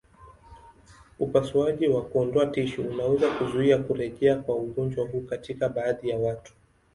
Upasuaji wa kuondoa tishu unaweza kuzuia kurejea kwa ugonjwa huu katika baadhi ya watu.